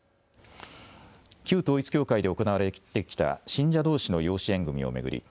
旧統一教会で行われてきた信者どうしの養子縁組みを巡り